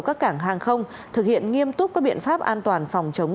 các cảng hàng không thực hiện nghiêm túc các biện pháp an toàn phòng chống